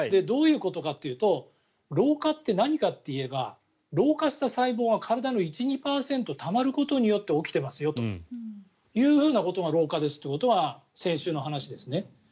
どういうことかというと老化って何かというと老化した細胞が体の１２％たまることによって起きてますよということが老化ですというのが先週の話ですね。